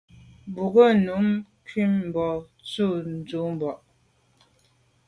Mbwôg ko’ num kum ba’ ntshùb tu ba’.